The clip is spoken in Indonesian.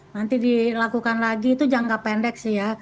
nanti dilakukan lagi itu jangka pendek sih ya